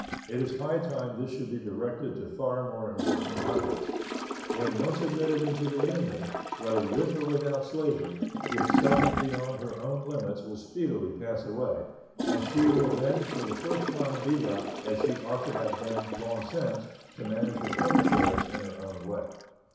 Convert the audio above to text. It is high time this should be directed to far more important objects. When once admitted into the Union, whether with or without slavery, the excitement beyond her own limits will speedily pass away, and she will then for the first time be left, as she ought to have been long since, to manage her own affairs in her own way.